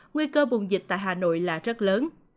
nguy cơ bùng dịch tại hà nội là rất lớn